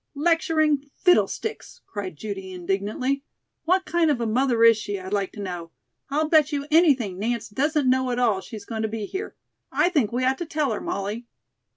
"Lecturing fiddlesticks!" cried Judy indignantly. "What kind of a mother is she, I'd like to know? I'll bet you anything Nance doesn't know at all she's going to be here. I think we ought to tell her, Molly."